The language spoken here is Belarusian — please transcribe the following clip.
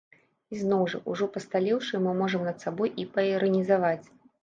Ізноў жа, ужо пасталеўшы, мы можам над сабой і паіранізаваць.